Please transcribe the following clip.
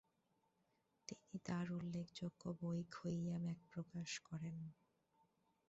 তিনি তার উল্লেখযোগ্য বই খৈয়াম এক প্রকাশ করেন।